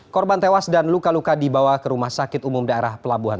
korban tewas dan luka luka dibawa ke rumah sakit umum daerah pelabuhan